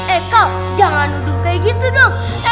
eh kak jangan duduk kayak gitu dong